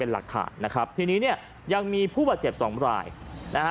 หลักฐานนะครับทีนี้เนี่ยยังมีผู้บาดเจ็บสองรายนะฮะ